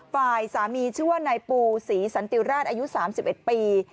ฝ่ายสามีชื่อว่านายปูศรีสันติราชอายุ๓๑ปี